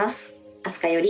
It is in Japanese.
明日香より。